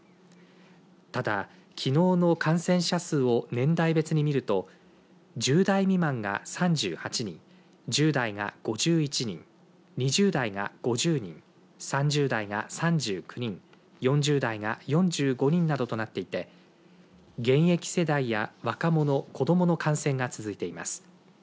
ただ、きのうの感染者数を年代別にみると１０代未満が３８人１０代が５１人２０代が５０人３０代が３９人４０代が４５人などとなっていて現役世代や若者、子どもの感染が続いています。